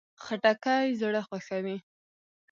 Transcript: خټکی زړه خوښوي.